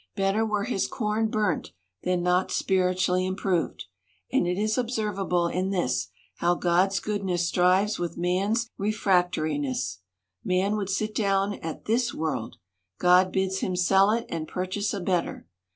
Better were his corn burnt, than not spiritually improved. And it is observable in this, how God's goodness strives with man's refractori ness. Man would sit down at this world ; God bids him sell it, and purchase a better.